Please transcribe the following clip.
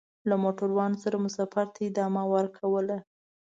له موټروان سره مو سفر ته ادامه ورکوله.